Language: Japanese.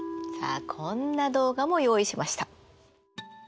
さあこんな動画も用意しました。